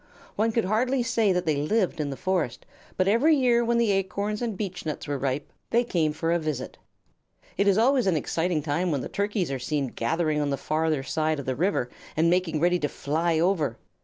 One could hardly say that they lived in the Forest, but every year when the acorns and beechnuts were ripe, they came for a visit. It is always an exciting time when the Turkeys are seen gathering on the farther side of the river and making ready to fly over.